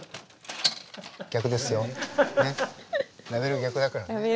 ラベル逆だからね。